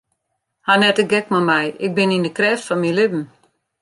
Haw net de gek mei my, ik bin yn de krêft fan myn libben.